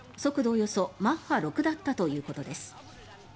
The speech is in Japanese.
およそマッハ６だったということです。